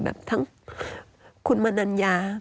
แบบทั้งคุณมนัญญา